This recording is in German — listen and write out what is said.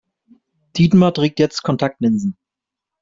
Dietmar trägt jetzt Kontaktlinsen.